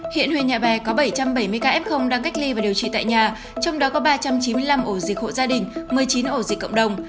hiện huyện nhà bè có bảy trăm bảy mươi ca f đang cách ly và điều trị tại nhà trong đó có ba trăm chín mươi năm ổ dịch hộ gia đình một mươi chín ổ dịch cộng đồng